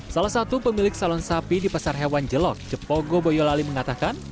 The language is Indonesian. salah satu pemilik salon sapi di pasar hewan jelok jepogo boyolali mengatakan